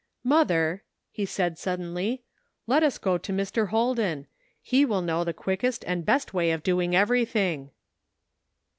"Mother," he said suddenly, "let us go to Mr. Holden. He will know the quickest and best way of doing everything."